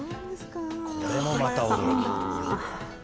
これもまた驚き。